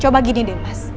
coba gini deh mas